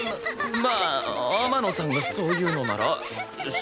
まあ天野さんがそう言うのなら仕方がない。